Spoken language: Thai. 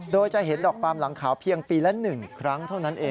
โดยจะเห็นดอกปามหลังขาวเพียงปีละ๑ครั้งเท่านั้นเอง